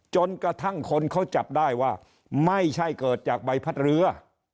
จนกระทั่งคนเขาจับได้ว่าไม่ใช่เกิดจากใบพัดเรือ